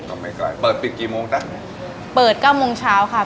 ก็ไม่ไกลเปิดปิดกี่โมงจ้ะเปิดเก้าโมงเช้าค่ะ